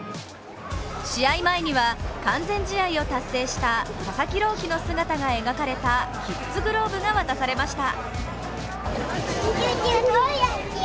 試合前には完全試合を達成した佐々木朗希の姿が描かれたキッズグローブが渡されました。